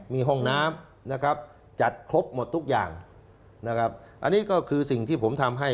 มีห้องน้ำนะครับจัดครบหมดทุกอย่างนะครับอันนี้ก็คือสิ่งที่ผมทำให้